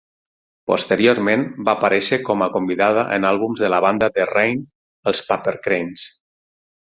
Posteriorment, va aparèixer com a convidada en àlbums de la banda de Rain, els Papercranes.